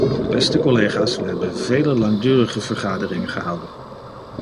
Beste collega's, we hebben vele langdurige vergaderingen gehouden.